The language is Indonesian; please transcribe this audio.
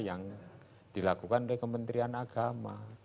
yang dilakukan oleh kementerian agama